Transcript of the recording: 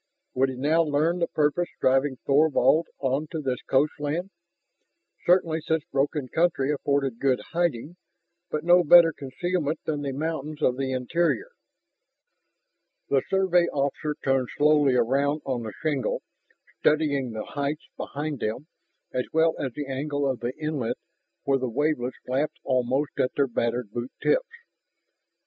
Would he now learn the purpose driving Thorvald on to this coastland? Certainly such broken country afforded good hiding, but no better concealment than the mountains of the interior. The Survey officer turned slowly around on the shingle, studying the heights behind them as well as the angle of the inlet where the wavelets lapped almost at their battered boot tips.